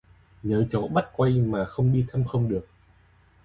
Nhớ cháu bắt quay mà đi thăm không được